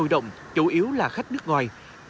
hội động chủ yếu là khách nước ngoài